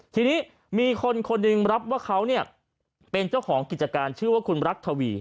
ทีนี้มีคนคนหนึ่งรับว่าเขาเป็นเจ้าของกิจการชื่อว่าคุณรักทวี